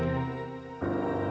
mama gak mau berhenti